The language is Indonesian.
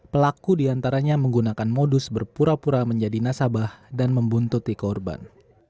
pelaku diantaranya menggunakan modus berpura pura menjadi nasabah dan membuntuti korban